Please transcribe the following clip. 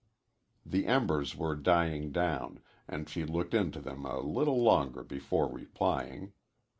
The embers were dying down, and she looked into them a little longer before replying.